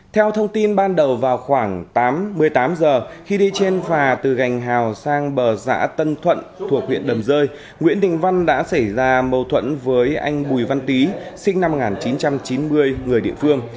theo thông tin ban đầu vào khoảng một mươi tám giờ khi đi trên phà từ gành hào sang bờ xã tân thuận thuộc huyện đầm rơi nguyễn đình văn đã xảy ra mâu thuẫn với anh bùi văn tý sinh năm một nghìn chín trăm chín mươi người địa phương